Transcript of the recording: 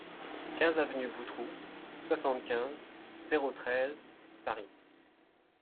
quinze avenue Boutroux, soixante-quinze, zéro treize, Paris